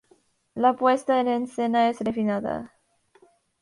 La puesta en escena es refinada.